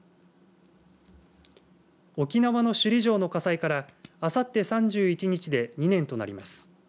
沖縄の首里城の火災からあさって３１日で２年となります。